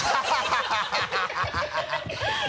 ハハハ